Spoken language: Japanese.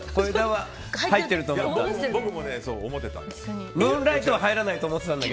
僕も思ってたんです。